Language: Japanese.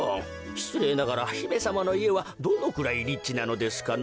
しつれいながらひめさまのいえはどのくらいリッチなのですかな？